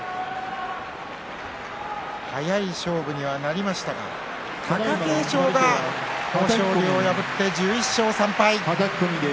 早い勝負にはなりましたが貴景勝が豊昇龍を破って１１勝３敗です。